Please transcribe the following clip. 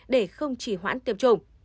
để không chỉ hoãn tiêm chủng